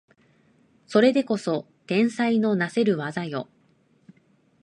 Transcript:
それでこそ天才のなせる技よ